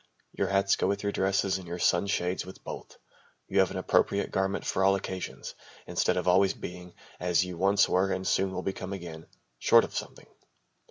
Your hats go with your dresses and your sunshades with both. You have an appropriate garment for all occasions, instead of always being as you once were and soon will become again short of something.